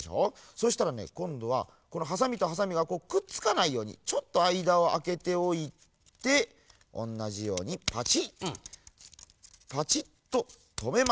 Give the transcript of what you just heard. そしたらねこんどはこのハサミとハサミがこうくっつかないようにちょっとあいだをあけておいておんなじようにパチッパチッととめます。